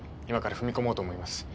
今から踏み込もうと思います。